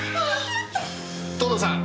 藤堂さん